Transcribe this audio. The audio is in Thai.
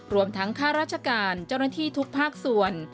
รวมทั้งค่าราชการเจ้าหน้าที่ทุกภาคส่วน